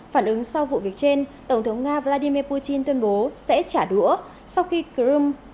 phản ứng sau vụ việc trên tổng thống nga vladimir putin tuyên bố sẽ trả đũa sau khi crimea